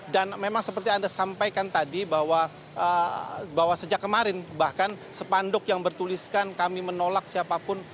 dan memang seperti anda sampaikan tadi bahwa sejak kemarin bahkan sepanduk yang bertuliskan kami menolak siapapun